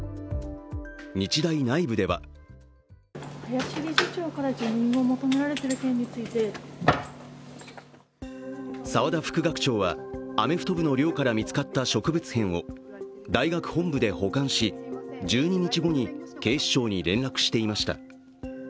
日大内部では沢田副学長はアメフト部の寮から見つかった植物片を大学本部で保管し、１２日後に警視庁に連絡していました。